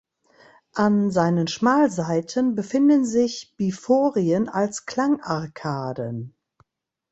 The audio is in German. An seinen Schmalseiten befinden sich Biforien als Klangarkaden.